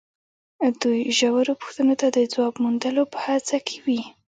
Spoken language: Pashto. دوی ژورو پوښتنو ته د ځواب موندلو په هڅه کې وي.